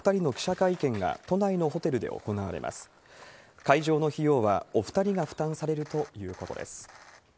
会場の費用はお２人が負担されるということです。